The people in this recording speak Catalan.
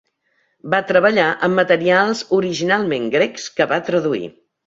Va treballar amb materials originalment grecs que va traduir.